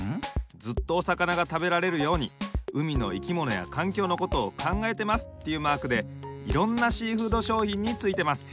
ずっとおさかながたべられるように海のいきものやかんきょうのことをかんがえてますっていうマークでいろんなシーフードしょうひんについてます。